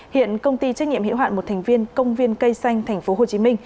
hiện công ty trách nhiệm hiệu hạn một thành viên công viên cây xanh tp hcm